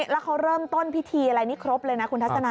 แล้วเขาเริ่มต้นพิธีอะไรนี่ครบเลยนะคุณทัศนา